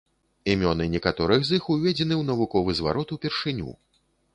Імёны некаторых з іх уведзены ў навуковы зварот упершыню.